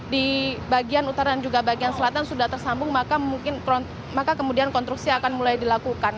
di bagian utara dan juga bagian selatan sudah tersambung maka kemudian konstruksi akan mulai dilakukan